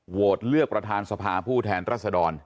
โหวตเลือกประธานสภาผู้แทนรัศดร